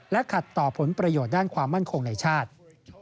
ขัดต่อผลประโยชน์ด้านความมั่นคงในชาติ